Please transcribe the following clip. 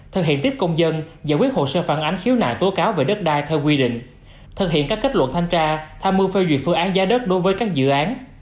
thực hiện tiếp công dân giải quyết hồ sơ phản ánh khiếu nại tố cáo về đất đai theo quy định thực hiện các kết luận thanh tra tham mưu phê duyệt phương án giá đất đối với các dự án